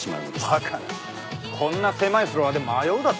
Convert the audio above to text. バカなこんな狭いフロアで迷うだと？